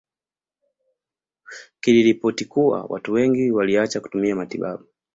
Kiliripoti kuwa watu wengi walioacha kutumia matibabu